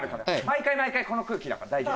毎回毎回この空気だから大丈夫。